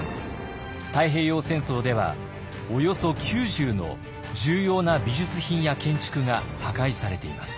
太平洋戦争ではおよそ９０の重要な美術品や建築が破壊されています。